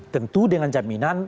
tentu dengan jaminan